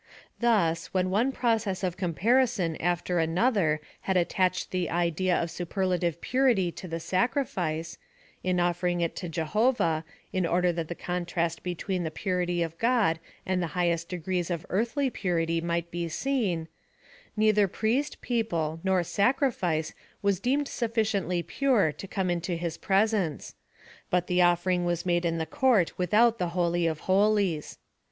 Thus, when one process oi comparison after another had attached the idea of superlative purity to the sacrifice — in offering it to Jehovah, in order that the contrast between the pu rity of God and the highest degrees of earthly pu rity might be seen, neither priest, people, nor sacri fice was deemed sufficiently pure to come into his presence ; but the offering was made in the court without the holy of holies.